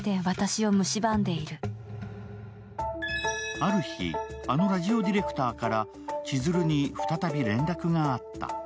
ある日、あのラジオディレクターから千鶴に再び連絡があった。